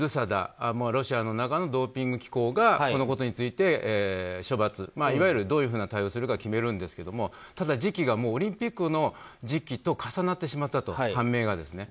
ロシアの中のドーピング機構がこのことについて処罰いわゆるどういう対応をするか決めるんですがただ時期がオリンピックの時期と重なってしまったと、判明が。